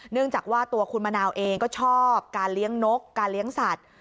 เนื่องจากว่าตัวคุณมะนาวเองก็ชอบการเลี้ยงนกการเลี้ยงสัตว์